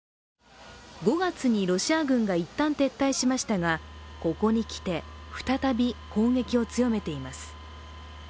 ５月にロシア軍がいったん撤退しましたがここに来て再び攻撃を強めています。